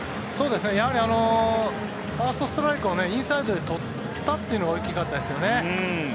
やはりファーストストライクをインサイドで取ったというのが大きかったですよね。